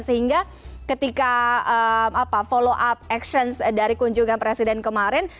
sehingga ketika follow up action dari kunjungan presiden kemarin